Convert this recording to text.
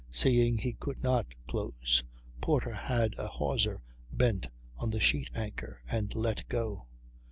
Seeing he could not close, Porter had a hawser bent on the sheet anchor and let go.